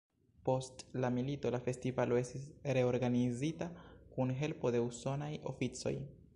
Post la milito la festivalo estis reorganizita kun helpo de usonaj oficoj.